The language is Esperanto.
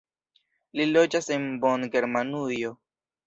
Li loĝas en Bonn en Germanujo.